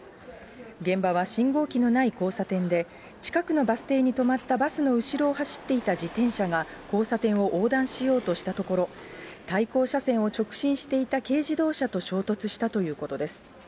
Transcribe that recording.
現場は信号機のない交差点で、近くのバス停に止まったバスの後ろを走っていた自転車が、交差点を横断しようとしたところ、対向車線を直進していた軽自動車と衝突したということです。